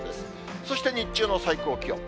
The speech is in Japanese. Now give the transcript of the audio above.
そして日中の最高気温。